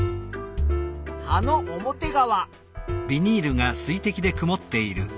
葉の表側。